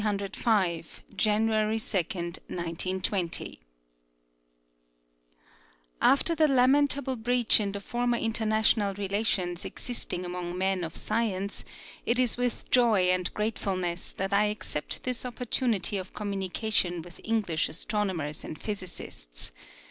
Coulter University op Chicago TIME, SPACE, AND GRAVITATION 1 Aftek the lamentable breach in the former international relations existing among men of science, it is with joy and gratefulness that I accept this opportunity of communication with English astronomers and physicists.